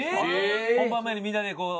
本番前にみんなでこう。